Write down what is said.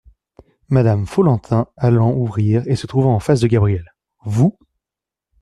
Madame Follentin allant ouvrir et se trouvant en face de Gabriel. — Vous !